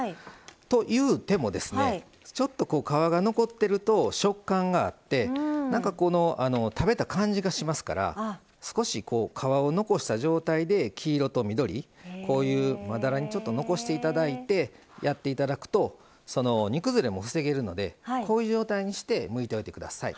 と言うてもですねちょっと皮が残ってると食感があってなんか食べた感じがしますから少し皮を残した状態で黄色と緑こういうまだらにちょっと残して頂いてやって頂くと煮崩れも防げるのでこういう状態にしてむいておいて下さい。